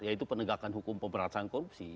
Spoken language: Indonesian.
yaitu penegakan hukum pemberantasan korupsi